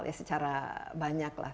ya secara banyak lah